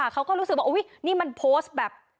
เขาก็รู้สึกว่าอุ๊ยนี่มันโพสต์แบบ